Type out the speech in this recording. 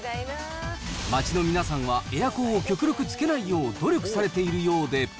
街の皆さんはエアコンを極力つけないよう努力されているようで。